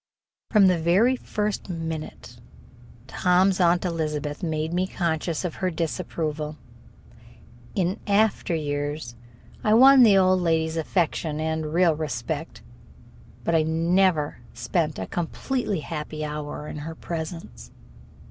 From the very first minute, Tom's Aunt Elizabeth made me conscious of her disapproval. In after years I won the old lady's affection and real respect, but I never spent a completely happy hour in her presence.